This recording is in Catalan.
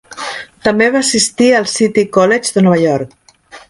També va assistir al City College de Nova York.